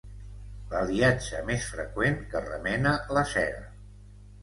L'aliatge més freqüent, que remena la cera.